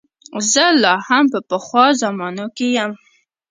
زه لا هم په پخوا زمانو کې یم.